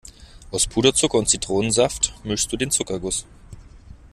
Aus Puderzucker und Zitronensaft mischst du den Zuckerguss.